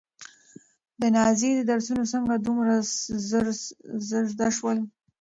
د نازيې درسونه څنګه دومره ژر زده شول؟